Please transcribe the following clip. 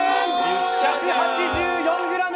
１８４ｇ！